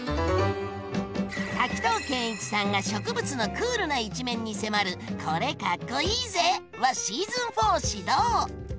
滝藤賢一さんが植物のクールな一面に迫る「これ、かっこイイぜ！」はシーズン４始動！